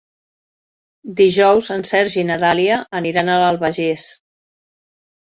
Dijous en Sergi i na Dàlia aniran a l'Albagés.